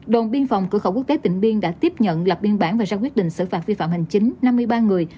đồng biên phòng cư khẩu quốc tế tỉnh biên đã tiếp nhận lập biên bản và ra quyết định xử phạt vi phạm hành chính năm mươi ba người